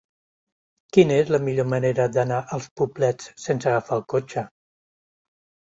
Quina és la millor manera d'anar als Poblets sense agafar el cotxe?